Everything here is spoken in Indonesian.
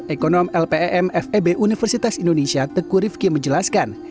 ekonom lpem feb universitas indonesia teguh rifki menjelaskan